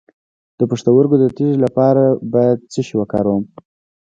د پښتورګو د تیږې لپاره باید څه شی وکاروم؟